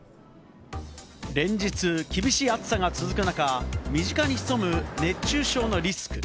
連日厳しい暑さが続く中、身近に潜む熱中症のリスク。